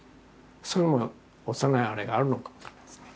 そういうのも幼いあれがあるのかもしれないですね。